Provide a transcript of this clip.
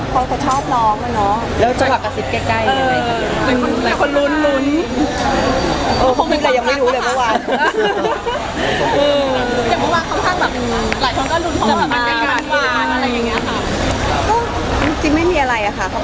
คุณไม่มีเซลล์เลยคุณแมวอีก